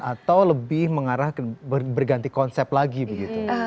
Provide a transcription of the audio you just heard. atau lebih mengarah berganti konsep lagi begitu